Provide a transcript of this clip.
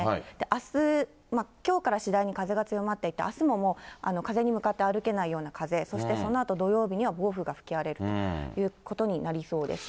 あす、きょうから次第に風が強まっていって、あすも風に向かって歩けないような風、そしてそのあと土曜日には暴風が吹き荒れるということになりそうです。